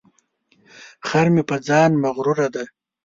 خر مې په ځان مغروره دی.